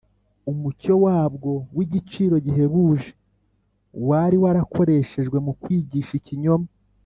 umucyo wabwo w’igiciro gihebuje wari warakoreshejwe mu kwigisha ikinyoma